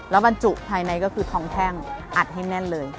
แล้วบรรจุภายในก็คือทองแท่งอัดให้แน่นเลย